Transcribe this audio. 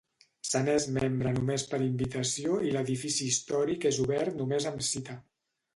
Se n'és membre només per invitació i l'edifici històric és obert només amb cita.